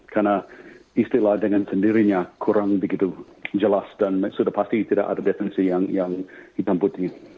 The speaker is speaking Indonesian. karena istilah dengan sendirinya kurang begitu jelas dan sudah pasti tidak ada detensi yang hitam putih